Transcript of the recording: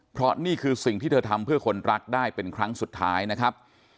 เพราะนี่คือสิ่งที่เธอทำเพื่อคนรักได้เป็นครั้งสุดท้ายนะครับ